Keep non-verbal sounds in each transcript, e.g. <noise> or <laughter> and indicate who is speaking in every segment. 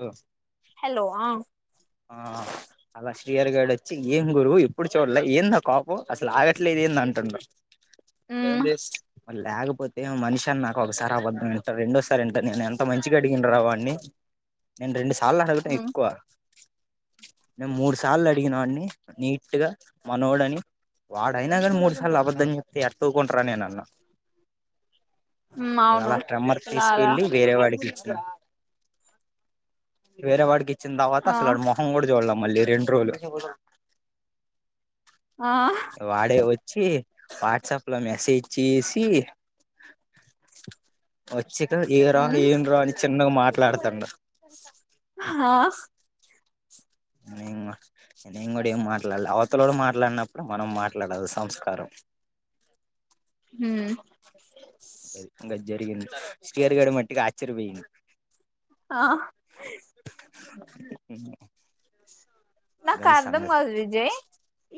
Speaker 1: Hello
Speaker 2: hello ఆ
Speaker 1: ఆ అలా గిరి గాడొచ్చి ఏం గురువు ఎప్పుడు చూడలే ఏందా కోపం అసలు అగా అగట్లేధు అంటుండు
Speaker 2: మ్మ్
Speaker 1: లేకపో కపోతే మనిషి అని నాకు ఒకసారి అబద్ధం వింటారు రెండోసారి వింటారు నేను ఎంత మంచిగా అడిగిన రా వాడిని నేను రెండు సార్ చాలా హలితం
Speaker 2: మ్మ్
Speaker 1: ఎక్కువ నేను మూడు సార్లు అడిగిన వాడిని నీట్గా మనోడని వాడైనా కానీ మూడు సార్లు అబద్దంని చెప్తే ఎట్లూకుంటార నేను
Speaker 2: మ్మ్ అవును
Speaker 1: ఇవాళ ట్రెమ్మర్
Speaker 2: ఇలాగా
Speaker 1: తీసుకెళ్ళి వేరే వాడికి ఇచ్చి వేరే వాడికి ఇ చ్చిన తర్వాత
Speaker 2: ఆ
Speaker 1: అసలాడి మొహం కూడా చూడలే మల్లీ రెండ్రోజులు
Speaker 2: ఆ
Speaker 1: <inaudible> వాడే వచ్చి వాట్సాప్ లో మెసేజ్ చేసి <inaudible> వచ్చాక ఏ రా
Speaker 2: మ్మ్
Speaker 1: ఏం రా అని చె <inaudible> మాట్లాడ్తాండు
Speaker 2: హా
Speaker 1: నేను నేను కూడా ఏం మాట్లాడదు అవతలోడు మాట్లాడినప్పుడు మనం మాట్లాడాలి సంస్కారం
Speaker 2: మ్మ్
Speaker 1: <inaudible> జరిగింది శ్రీయర్ గడ మట్టికి ఆశ్చర్యపోయింది
Speaker 2: ఆ
Speaker 1: <inaudible>
Speaker 2: నాకు
Speaker 1: గది
Speaker 2: అర్ధం
Speaker 1: సంగతి
Speaker 2: కాదు విజయ్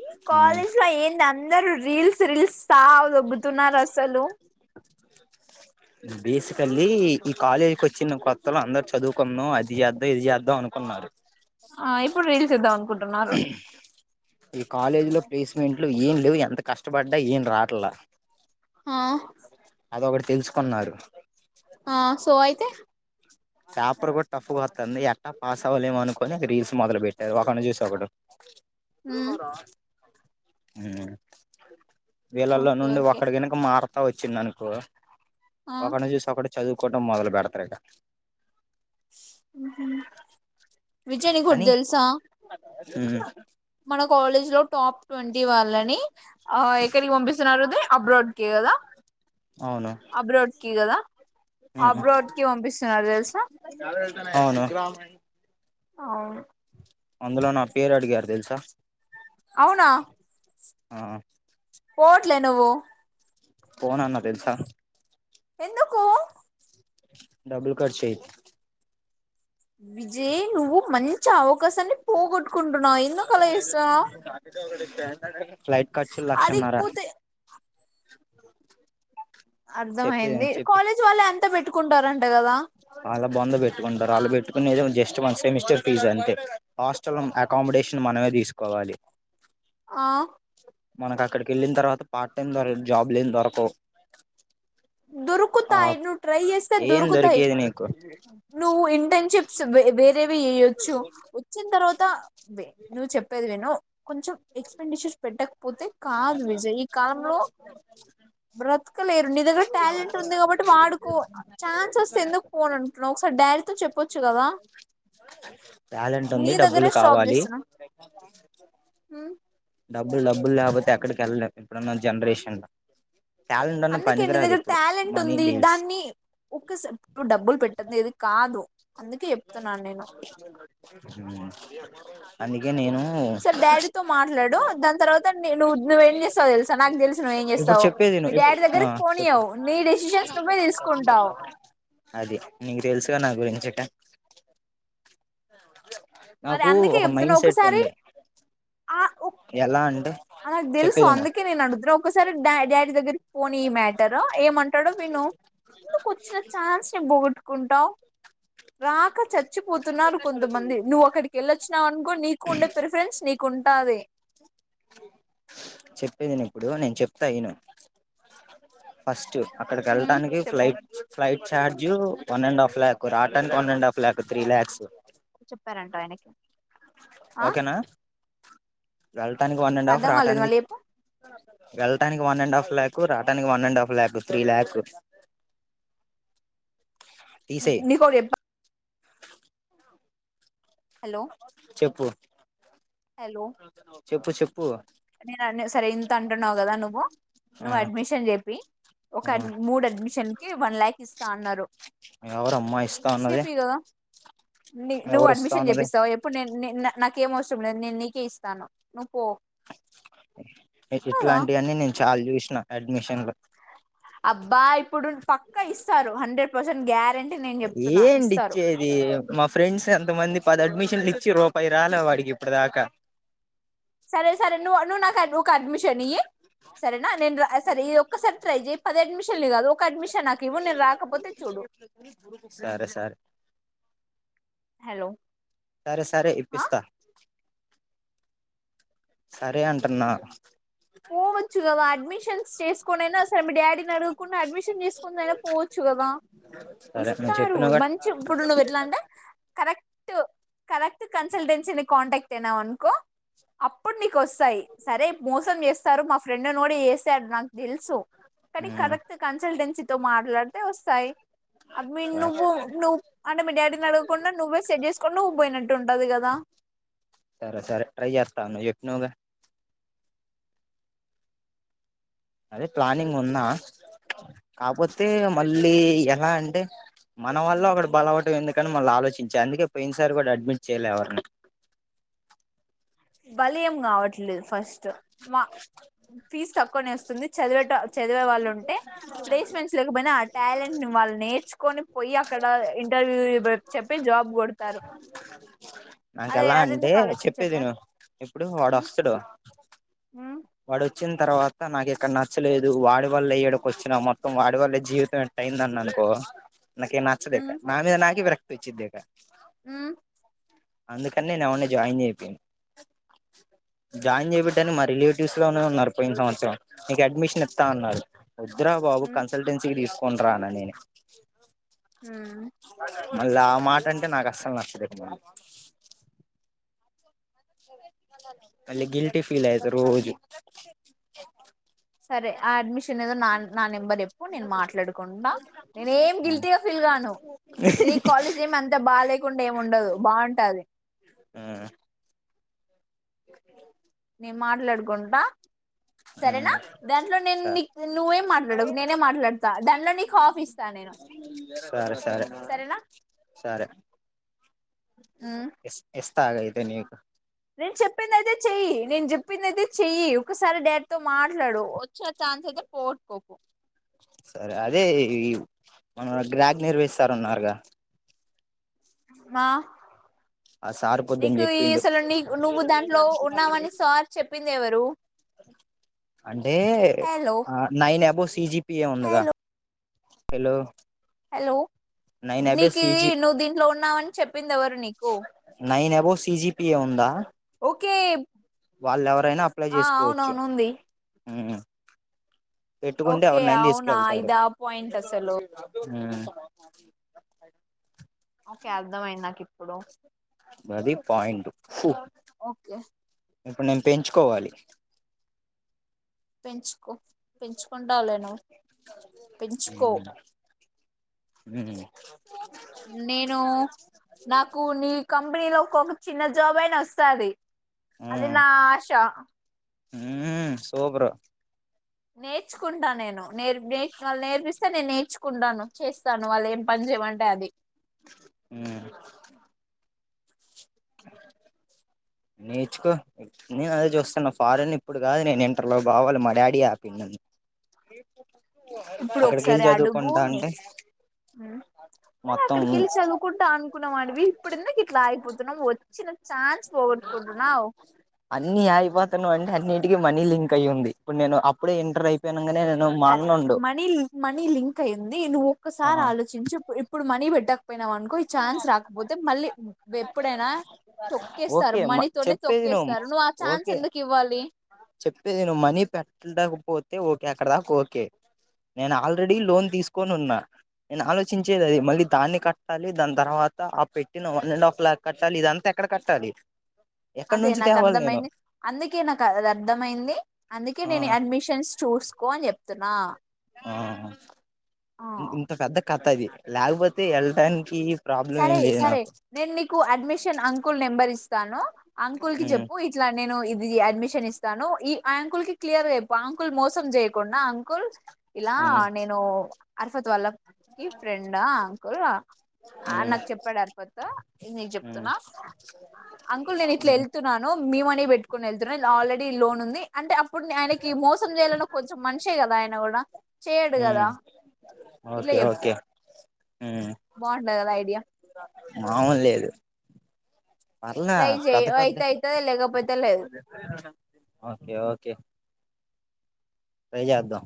Speaker 2: ఈ కాలేజ్ లో ఏంద అన్ అందరు రీల్స్ రీల్స్ సావ దో తగ్గుతున్నారు అసలు
Speaker 1: బేసికల్లీ ఈ కాలేజీకి వచ్చిన కొత్తలో అందరు చదువుకున్నాం అది చేద్దాం ఇది చేద్దాం అనుకున్నారు
Speaker 2: ఆ ఇప్పుడు రీల్స్ తీదాం
Speaker 1: ఈ కాలేజీ లో ప్లేస్మెంట్ ఏం లేవు ఎంత కష్టపడ్డా ఏం రాట్లా
Speaker 2: ఆ
Speaker 1: అది ఒక్కటి తెలుసుకున్నారు.
Speaker 2: ఆ సో ఆయి తే
Speaker 1: పేపర్ కూడా టఫ్గా వస్తుంది ఎట్ట పాస్ అవ్వలేము అనుకొని రీల్స్ మొదలు పెట్టారు ఒకరి చూసి ఒకడు
Speaker 2: మ్మ్
Speaker 1: ఎక్కడునవ్ ర హుమ్ వీళ్ళల్లో
Speaker 2: ఓకే
Speaker 1: నుండి
Speaker 2: ఓకే
Speaker 1: ఒక్కడు గనుక మారితే వచ్చింది అనుకో
Speaker 2: ఆ
Speaker 1: ఒకడ్ని చూసి ఒకడు చదువుకోవటం మొదలు పెడతారు ఇక
Speaker 2: అ విజయ్ నీకొకటి
Speaker 1: కానీ
Speaker 2: తెలుసా
Speaker 1: ఉమ్
Speaker 2: మన కాలేజ్ లో టాప్ ట్వంటీ వాల్ అని ఆ ఎక్కడికి పంపిస్తున్నారుదే అబ్రాడ్ కి కదా అబ్రోడ్కి కదా
Speaker 1: ఊహూ
Speaker 2: అబ్రోడ్ కి పంపిస్తున్నారు తెలుసా
Speaker 1: అవును
Speaker 2: అవును
Speaker 1: అందులో నా పేరు అడిగారు తెలుసా
Speaker 2: అవునా
Speaker 1: ఆ
Speaker 2: పోవట్లే నువ్వు
Speaker 1: పోనన్నా తెలుసా
Speaker 2: ఎందుకు
Speaker 1: డబ్బుల్ ఖర్చయి
Speaker 2: విజయ్ నువ్వు మన్ చావు చేస్తున్నావు
Speaker 1: ఫ్లాయిట్ ఖర్చులు లక్షన్నర
Speaker 2: అడిగిపోతే
Speaker 1: చెప్పి
Speaker 2: అర్థమయింది
Speaker 1: చెప్పి
Speaker 2: కాలేజ్ వాళ్ళు ఎంత పెట్టుకుంటారన్ టగదా
Speaker 1: వాళ్ళ బొంద పెట్టుకుంటారు ఆల్లు పెట్టుకునేదేమో జస్ట్ వన్ సెమిస్టర్ ఫీజు అంతే హాస్టల్ అకామిడేషన్ మనమే తీసుకోవాలి
Speaker 2: ఆ
Speaker 1: మనకు అక్కడికి వెళ్ళిన తర్వాత పార్ట్ టైమ్ దర జాబ్ లేం దొరకవు ఆ
Speaker 2: దొరుకుతాయి నువ్ ట్రై చేస్తే
Speaker 1: ఏం
Speaker 2: దొరుకుతాయి
Speaker 1: దొరికేది నీకు
Speaker 2: నువ్వు ఇంటర్న్షిప్స్ బే వేరే వి ఎయ్యొచ్చు వచ్చిన తర్వాత నువ్వు చెప్పేది విను కొంచెం ఎక్స్పెండిచర్ పెట్టకపోతే కాదు విజయ్ ఈ కాలంలో బ్రతకలేరు నీ దగ్గర టాలెంట్ ఉంది కాబట్టి వాడుకో ఛాన్స్ వస్తే ఎందుకు పోనంటున్నావ్ ఒకసారి డాడీతో చెప్పొచ్చు కదా
Speaker 1: టాలెంట్
Speaker 2: నీ
Speaker 1: ఉంది
Speaker 2: దగ్గరే
Speaker 1: డబ్బులు
Speaker 2: స్టాప్
Speaker 1: కావాలి
Speaker 2: చేస్తున్నా మ్మ్
Speaker 1: డబ్బులు డబ్బులు లేకపోతే ఎక్కడికి ఎళ్ళలేం ఇప్పుడున్న జనరేషన్ లో టాలెంట్ అన్న
Speaker 2: అందుకే నీ
Speaker 1: పనికిరాదు
Speaker 2: దగ్గర
Speaker 1: ఇప్పుడు
Speaker 2: టాలెంట్
Speaker 1: మనీ
Speaker 2: ఉంది
Speaker 1: డీల్స్
Speaker 2: దాన్ని ఒక స డబ్బులు పెట్టద్దు ఏది కాదు అందుకే చెప్తున్నాను నేను
Speaker 1: ఉమ్ ఇగ నేను
Speaker 2: ఒకసారి డాడీతో మాట్లాడు దాని తర్వాత నేను నువ్వేం చేస్తావు తెలుసా నాకు తెలుసు నువ్వేం
Speaker 1: ఇప్పుడు
Speaker 2: చేస్తావు
Speaker 1: చెప్పేది ఇను
Speaker 2: మీ డాడీ
Speaker 1: ఆ
Speaker 2: దగ్గరికి
Speaker 1: చెప్పు,
Speaker 2: పోనీయవు నీ డెసిషన్స్ నువ్వే తీసుకుంటావు
Speaker 1: అది నీకు తెలుసుగా నా గురిన్ <unintelligible>
Speaker 2: మరి
Speaker 1: నాకు
Speaker 2: అందుకే
Speaker 1: ఒక
Speaker 2: చెప్తున్నా
Speaker 1: మైండ్ సెట్
Speaker 2: ఒకసారి
Speaker 1: ఉంది, ఎలా అంటే
Speaker 2: అది నాకు తెలుసు
Speaker 1: చెప్పేదిను
Speaker 2: అందుకే నేను అడుగుతున్నా, ఒకసారి డా డాడీ దగ్గర పోనీ ఈ మ్యాటర్ ఏమంటాడో విను. ఎందుకు వచ్చిన ఛాన్స్ ని బొగ్ అనుకుంటావ్ రాక చచ్చిపోతున్నారు కొంతమంది, నువ్వు అక్కడికి వెళ్ళొచ్చినావు అనుకో నీకు ఉండే ప్రిఫరెన్స్ నీక్ కుంటాది
Speaker 1: చెప్పేది ఇను ఇప్పుడు నేను చెప్తా ఇను ఫస్ట్ చు అక్కడికి
Speaker 2: హ్మ్
Speaker 1: వెళ్ళటానికి
Speaker 2: చెప్పు
Speaker 1: flight flight charge one and half లాక్కు రాటానికి వన్ అండ్ హాఫ్ లాక్కు త్రీ ల్యాక్స్
Speaker 2: <unintelligible> ఆ
Speaker 1: ఓకేనా వెళ్ళటానికి వన్ అండ్ హాఫ్
Speaker 2: అర్థం కాలేదు
Speaker 1: రావటానికి
Speaker 2: మళ్ళీ చెప్పు
Speaker 1: వెళ్ళటాని వన్ అండ్ హాఫ్ లాక్కు రాటానికి వన్ అండ్ హాఫ్ లాక్కు త్రీ లాక్కు
Speaker 2: నిక్ ఒకటి చెప్ప హలో
Speaker 1: చెప్పు
Speaker 2: హలో
Speaker 1: చెప్పు చెప్
Speaker 2: నేను అన్న సరే ఇంత అంటున్నావు కదా, నువ్వు
Speaker 1: ఆ
Speaker 2: నువ్వు అడ్మిషన్ చేపి ఒక
Speaker 1: ఆ
Speaker 2: మూడు అడ్మిషన్ కి వన్ ల్యాక్ ఇస్ తన్నారు
Speaker 1: ఎవరమ్మా ఇస్తా ఉన్నది
Speaker 2: చెపియ్ కదా. నీ నువ్వు
Speaker 1: ఎవరు ఇస్తా
Speaker 2: అడ్మిషన్
Speaker 1: ఉన్నది
Speaker 2: చేపిస్తావ చెప్పు నేన్ నెన్ నా నాకేం అవసరం లేదు నేను నీకే ఇస్తాను నువ్వు పో
Speaker 1: నిక్
Speaker 2: కదా
Speaker 1: ఇట్లాంటివన్నీ నేన్ చల్ చూసిన అడ్మిషన్లు
Speaker 2: అబ్బా ఇప్పుడు పక్క ఇస్తారు హండ్రెడ్ పర్సెంట్ గ్యారెంట్
Speaker 1: ఏండి ఇచ్చేది మా ఫ్రెండ్స్ ఎంతమంది పది అడ్మిషన్లు ఇ చి రూపాయి రాలే వాడికి ఇప్పుడు దాకా.
Speaker 2: సరే సరే నువ్వు నువ్వు నాకు వద్దు ఒక అడ్మిషన్ ఇయ్యి సరే న నే సరే ఈ ఒసారి ట్రై చెయ్ పది అడ్మిషన్లు కాదు ఒక అడ్మిషన్ నాకు ఇవ్వు నేను రాకపోతే చూడు
Speaker 1: సరే సరే
Speaker 2: హలో
Speaker 1: సరే సారే
Speaker 2: ఆ
Speaker 1: ఇప్పిస్తా సరే అంటున్నా
Speaker 2: పోవచ్చు కదా అడ్మిషన్స్ చేసుకోనైనా సరే మీ డాడీ నన్ను అడగకుండా అడ్మిషన్ చేసుకుందైనా పోవచ్చు కదా
Speaker 1: సరే నువ్వు
Speaker 2: ఇస్తారు
Speaker 1: చెప్పినవ్గా
Speaker 2: మంచి ఇప్పుడు నువ్వు ఎట్లా అంటే కరెక్ట్ కరెక్ట్ కన్సల్టెన్సీ ని కాంటాక్ట్ అయినవనుకో అప్పుడు నీకు వస్తాయి సరే మోసం చే స్తారు మా ఫ్రెండ్ ను కూడా ఏసాడు నా తెలుసు కనీ కరెక్ట్ కన్సల్టెన్సి తో మాట్లాడు వస్తాయి అది
Speaker 1: సరే
Speaker 2: నువ్వు నువ్వు అంటే మీ డాడీని అడగకుండా నువ్వే సెట్ చేసుకుని నువ్వు పోయినట్టు ఉంటది కదా
Speaker 1: నవ్వు చెప్పినవి గా అదే ప్లానింగ్ ఉన్నా కాపోతే మళ్ళీ ఎలా అంటే మన వల్ల అక్కడ బలవటం ఎందుకని మళ్ళీ ఆలోచించా అందుకే పోయినసారి కూడా అడ్మిట్ చేయలే ఎవరిని
Speaker 2: బలియం కావట్లేదు ఫస్ట్ ఫస్ట్ మా ఫీజ్ తా 'కొనేస్తుంది చదివేట' చదివే వాళ్ళు ఉంటే, ప్లేస్మెంట్స్ లేకపోయినా ఆ టాలెంట్ వాళ్ళు నేర్చుకొని పోయి అక్కడ ఇంటర్వ్యూ చెప్పి జాబ్ కొడతారు,
Speaker 1: నాకు
Speaker 2: అదే
Speaker 1: ఎలా
Speaker 2: అది
Speaker 1: అంటే
Speaker 2: ఎందుకు
Speaker 1: చెప్పేది
Speaker 2: ఆలోచించట్లే
Speaker 1: విను ఇప్పుడు
Speaker 2: మ్మ్
Speaker 1: వాడొస్తడు
Speaker 2: మ్మ్
Speaker 1: వాడొచ్చిన తర్వాత నాకు ఇక్కడ నచ్చలేదు, వాడి వల్లే ఈడకి వచ్చిన మొత్తం వాడి వల్లే జీవితం ఇటా అయిందని అనుకో నాకేం నచ్చదు ఇక నామీద నాకే విరక్త్ పిచ్చిద్దేకా
Speaker 2: హ్మ్
Speaker 1: అందుకని నేను ఎవర్ని జాయిన్ చేపించను జాయిన్ చేపిపీటని మా రిలేటివ్ <unintelligible> లోనే ఉన్నారు పోయిన సంవత్సరం నీకు అడ్మిషన్ ఇత్తా అన్నారు వొద్దురా బాబు
Speaker 2: మ్మ్
Speaker 1: కన్సల్టెన్సికి తీసు కొండ్రా అన్న నేనే
Speaker 2: హ్మ్
Speaker 1: మల్ల ఆ మాట అంటే నాకు అస్సలు నచ్చదు మ మళ్ళి గిల్టీ ఫీల్ అయిత రోజు
Speaker 2: సరే ఆ అడ్మిషన్ ఏదో న నా నెంబ్ నెంబర్ చెప్పు నేను మాట్లాడుకుంట నేనేం
Speaker 1: మ్మ్
Speaker 2: గిల్టిగ ఫీల్ కాను ఇది కాలేజ్ ఏమి అంత బాలేకుండా ఏం ఉండదు బాగుంటది
Speaker 1: <inaudible>
Speaker 2: నేను మాట్లాడుకుంట సరేనా
Speaker 1: మ్మ్
Speaker 2: దాంట్లో నేను
Speaker 1: సరే
Speaker 2: నీకు నువ్వేం మాట్లాడకు నేనే మాట్లాడతా దాంట్లో నీకు హాఫ్ ఇస్తా నేను
Speaker 1: సరే సరే
Speaker 2: సరేనా మ్మ్
Speaker 1: ఎస్ ఎస్ తాగైతె నీకు
Speaker 2: నేను చెప్పిందయితే చెయ్యి, నేను చెప్పిందయితే చెయ్యి, ఒకసారి డాడ్తో మాట్లాడు ఇచ్చిన చాన్స్ అయితే పోగొట్కోకు
Speaker 1: ఇ మనం గాగ్రర్ వేస్తారు అన్నారు గా
Speaker 2: మా
Speaker 1: ఆ సార్ పొద్దన్
Speaker 2: నీకు ఈ
Speaker 1: చెప్పిండు
Speaker 2: అసలు నీ నువ్వు దాంట్లో ఉన్నావని సార్ చెప్పింది ఎవరు
Speaker 1: అంటే
Speaker 2: హలో
Speaker 1: ఆ నైన్ అబో సిజిపిఏ ఉందిగా
Speaker 2: hello
Speaker 1: hello
Speaker 2: hello
Speaker 1: nine above
Speaker 2: నికీ
Speaker 1: సిజి
Speaker 2: నువ్వు దీంట్లో ఉన్నావని చెప్పిందెవరు నీకు
Speaker 1: బో సీజిపిఏ ఉందా
Speaker 2: ఓకే
Speaker 1: వాళ్ళు ఎవరైనా అప్లై
Speaker 2: ఆ
Speaker 1: చేసుకోవచ్చు
Speaker 2: అవునవును ఉంది
Speaker 1: మ్మ్ పెట్టుకుంటే
Speaker 2: ఓకే
Speaker 1: ఎవరినైన
Speaker 2: అవునా
Speaker 1: తీసుకెళ్తారు
Speaker 2: ఇదా పాయింట్ అసలు
Speaker 1: మ్మ్
Speaker 2: ఓకే అర్థమైంది నాకి ఇప్పుడు
Speaker 1: గది పాయింట్ ఉఫు
Speaker 2: ఓకే
Speaker 1: ఇప్పుడు నేను పెంచుకోవాలి
Speaker 2: పెంచుకో పెంచు కుంటవ్ లే నువ్వు పెంచుకో
Speaker 1: మ్మ్ ఉమ్
Speaker 2: నేను నాకు నీ కంపెనీ లో ఒక్క చిన్న జ జాబ్ అయినా వస్తాది అది నా ఆశ
Speaker 1: మ్మ్ సూపరు
Speaker 2: నేర్చుకుంటా నేను నే నేర్బ్ వాళ్ళు నేర్పిస్తే నేర్చు కుంటాను చేస్తాను వాళ్ళు ఏం పని చేయమంటే అది
Speaker 1: మ్మ్ నేర్చుకో నేను అదే చూస్తున్నా ఫారెన్ ఇప్పుడు కాదు నేను ఇంటర్లో పోవాలి మా డాడీ ఆ పిండు నన్ను
Speaker 2: ఇప్పుడు ఒక
Speaker 1: అక్కడికి వెళ్ళి
Speaker 2: సారి అడుగు
Speaker 1: చదువుకుంటా అంటే
Speaker 2: నేర్చు మ్మ్
Speaker 1: మొత్తం
Speaker 2: అక్కడికి వెెళ్ళి చదువుకుంటా అనుకున్నా వాడివి ఇప్పుడు ఎందుకు ఇట్లా ఆగిపోతున్నావ్ వచ్చిన ఛాన్స్ పోగొట్టుకుంటున్నావు
Speaker 1: అన్నీ ఆగిపోతున్నావన్ అన్నిటింటికి మనీ లింక్ అయింది ఇప్పుడు నేను అప్పుడే ఎంటర్ అయిపోయినా
Speaker 2: సరే మనీ మనీ లింక్ అయింది నువ్వు
Speaker 1: ఆ
Speaker 2: ఒక్కసారి ఆలోచించు ఇపు ఇప్పుడు మనీ బెట్టకు పోయినవ్ అనుకో ఈ ఛాన్స్ రాకపోతే మళ్ళీ బె ఎప్పుడైనా తొక్కేస్తారు
Speaker 1: ఓకే
Speaker 2: మనీతోనే
Speaker 1: చెప్పేది
Speaker 2: తొక్కేస్తారు. నువ్వు ఆ ఛాన్స్
Speaker 1: ఓకే
Speaker 2: ఎందుకు ఇవ్వాలి?
Speaker 1: తే ఓకె అక్కడ దాక ఓకె. నేను ఆల్రెడీ లోన్ తీసుకొనున్నా నేను ఆలోచించేది అది, మళ్ళీ దాన్ని కట్ ట్టాలి దాని తర్వాత ఆ పెట్టిన వన్ అండ్ హాఫ్ ల్యాక్ కట్టాలి ఇదంతా ఎక్కడ కట్టాలి ఎక్కడి
Speaker 2: అదే
Speaker 1: నుంచి
Speaker 2: నాకు
Speaker 1: తేవాలి నేను
Speaker 2: అర్ధమైంది అందుకే నాక్ అది అర్ధమైంది అందుకే
Speaker 1: ఆ
Speaker 2: నేను అడ్మిషన్స్ చూసుకో అని చెప్ తునా
Speaker 1: ఆ ఇం ఇంత పెద్ద కథ ఇది ల్యాకపోతే ఎల్టానికి
Speaker 2: సరే సరే నేను మీకు అడ్మిషన్ అంకుల్ నెంబర్ ఇస్ తాను అంకుల్ కి
Speaker 1: ఉమ్
Speaker 2: చెప్పు ఇట్ల నేను ఇద్ ఇ అడ్మిషన్ ఇస్తాను ఈ ఆ అంకుల్ కి క్లియర్ గ చెప్పు ఆంకుల్ మోసం చేయకుండా, అంకుల్ ఇలా
Speaker 1: ఉమ్
Speaker 2: నేను అర్ త్వత్ వాళ్ళం ఈ ఫ్రెండా కుల్ల ఆ
Speaker 1: ఉమ్
Speaker 2: నాకు చెప్పాడు అర్పోత ఇది నీకు
Speaker 1: ఉమ్
Speaker 2: చెప్తున్నా అంకుల్ నేను
Speaker 1: ఉమ్
Speaker 2: ఇట్లేళ్తున్నాను మీ మనీ పెట్టుకొని ఎళ్తున్నా ఆల్రెడీ లోన్ ఉంది అంటే అప్పుడు నె ఆయనకి మోసం చేయాలన్న కొంచెం మనిషే గదా ఆయన గుడా చేయడు కదా
Speaker 1: ఉమ్
Speaker 2: ఇట్ల
Speaker 1: ఓకే
Speaker 2: చెప్పు
Speaker 1: ఓకే
Speaker 2: బాన్ నా న ఐడియా
Speaker 1: మావుల్ లేదు పర్లే
Speaker 2: ట్రై చేయి
Speaker 1: పెద్ద పెద్ద
Speaker 2: అయితెఅయితది లేగ పోత్ తలేదు
Speaker 1: ఓకె ఓకె ట్రై చేద్దాం.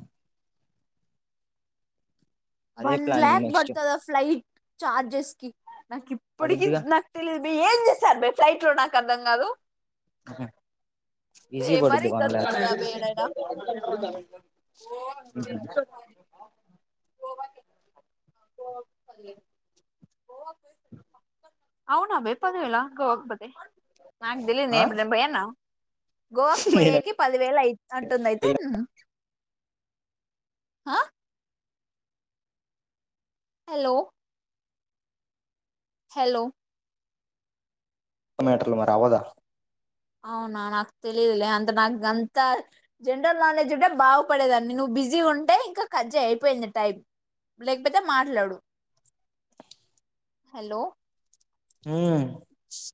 Speaker 1: అదే
Speaker 2: వన్
Speaker 1: ప్లానింగ్
Speaker 2: ల్యాక్
Speaker 1: నెక్స్ట్
Speaker 2: పడ్తద ఫ్లైట్ చార్జెస్ కి నాక్ ఇప్పటికి
Speaker 1: పడిద్దిగా
Speaker 2: నాక్ తెలిద్ ఏం చేస్తారు బే ఫ్లైట్లో నాకర్ధం కాదు బే
Speaker 1: ఈజీ
Speaker 2: మరీ
Speaker 1: పడుద్ది వన్ ల్యాక్
Speaker 2: గంతుంటదా బే ఏడైనా <inaudible> అవునా బే పదివేల గోవాకి పోతే నాక్ తెలీదు నేను
Speaker 1: ఆ
Speaker 2: ఎప్పుడన్న పోయాన గోవాక్
Speaker 1: నేను
Speaker 2: పోయేకి పదివేలయి అంటుంది అయితే ఉహు ఆ హెలో హెలొ
Speaker 1: మాట్ర్లు మరి అవ్వదా
Speaker 2: అవునా నాకు తెలీదులే అంత నాకు అంత జనరల్ నాలెడ్జ్ ఉంటే బాగుపడేదాన్ని నువ్వు బిజీ ఉంటే ఇంక కట్చే అయిపోయింది టైం లేకపోతే మాట్లాడు హలో
Speaker 1: హుమ్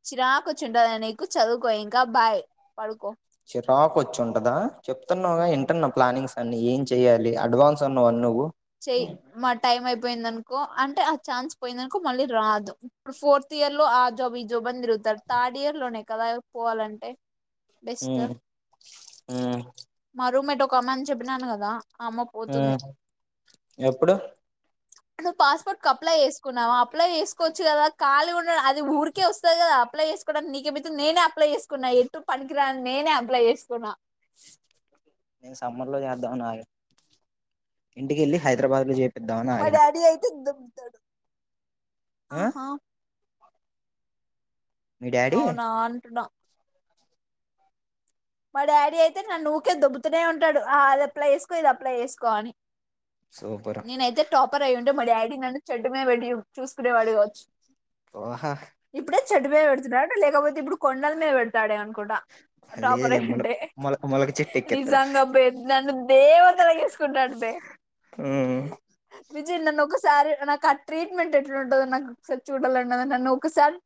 Speaker 2: చిరాకువచ్చింటాంది నీకు చదువుకో ఇంక బాయ్ పడుకో
Speaker 1: చిరాక్ వచ్చుంటదా చెప్తున్నావ్ గా ఇంటన్నా ప్లానింగ్స్ అన్ని ఏం చెయాలి అడ్వాన్స్ అన్నావు నువ్వు
Speaker 2: చెయి మా టైం అపోయిందనుకో అంటే ఆ ఛాన్స్ పోయిందనుకో పోయింది అనుకో అంటే ఆ ఛాన్స్ మళ్ళీ రాదు ఇప్పుడు ఫోర్త్ ఇయర్ లో ఆ జాబ్ ఈ జాబ్ అని తిరుగుతారు థర్డ్ ఇయర్లోనే కదా పోవాలంటే బెస్ట్ మ రూమ్ మెట్ కోమన్ చెప్పినాను కదా అమ్మ పోతుంది
Speaker 1: ఎప్పుడ్
Speaker 2: నువ్వు పాస్పోర్ట్ కు అప్లై చేసుకున్నావు అప్లై చేసుకోవచ్చు కదా కాలీ ఉండ అది ఊరికే వస్తది గదా అప్లై చేసుకోడానికి నీకేబ్తే నెనే అప్లై చేసుకున్నా ఎటు పనికిరాని నేనే అప్లై చేసుకున్నా
Speaker 1: నేన్ సమ్మర్లో చేద్దామని ఆగ ఇంటికెళ్ళి హైదరాబాద్లో చేపిద్దామని ఆగిన
Speaker 2: చెస్తాడు
Speaker 1: ఆ
Speaker 2: ఆహ
Speaker 1: మీ డాడీ
Speaker 2: అవునా అంటుడ మా డాడీ అయితే నన్ను ఊకే దొబ్బుతూనే ఉంటాడు అది అప్లై చేసుకో ఇది అప్లై చేసుకో అని
Speaker 1: సూపర్
Speaker 2: నేనయితే టాపర్ అయి్ మ డాడి నన్ను చెడ్డుమే పెట్టి చూసుకునేవాడు కావచ్చు
Speaker 1: ఓహా
Speaker 2: ఇప్పుడే చెడ్డుమే పెడుతున్నాడు లేకపోతే ఇప్పుడు కొండల మీద పెడతాే అనుకుంట వడ టాపర్
Speaker 1: లేదులే
Speaker 2: అయి
Speaker 1: మొల
Speaker 2: ఉంటే
Speaker 1: మొల మొలక చెట్టు
Speaker 2: నిజంగ నన్ను దేవతలగేసుకుంటాడు బె
Speaker 1: ఎక్కేత్తరు
Speaker 2: విజయ్ నన్ను ఒకసారి నాకు ఆ ట్రీట్మెంట్ ఎట్లాంటందో నా ఒకారి చూడాలన్న నన్ను ఒకసారి